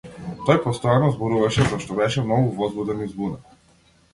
Тој постојано зборуваше зашто беше многу возбуден и збунет.